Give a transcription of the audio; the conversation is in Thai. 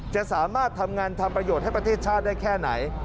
จะสามารถทำงานทำประโยชน์ให้ประเทศชาติได้แค่ไหน